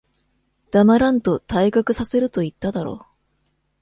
黙らんと、退学させると言っただろ。